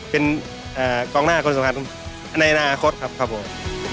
เป็นกองหน้าคนสำคัญในอนาคตครับครับผม